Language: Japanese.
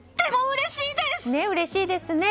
うれしいですね。